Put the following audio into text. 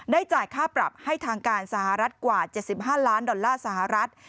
จ่ายค่าปรับให้ทางการสหรัฐกว่า๗๕ล้านดอลลาร์สหรัฐ